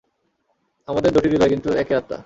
আমাদের দুটি হৃদয় কিন্তু একই আত্মা।